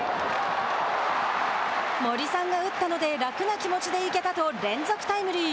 森さんが打ったので楽な気持ちで行けたと連続タイムリー。